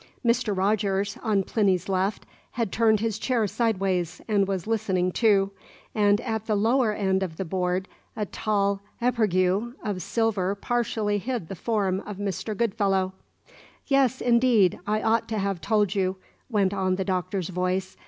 Mr. Rogers, on Plinny's left, had turned his chair sideways and was listening too; and at the lower end of the board a tall epergue of silver partially hid the form of Mr. Goodfellow. "Yes, indeed, I ought to have told you," went on the Doctor's voice.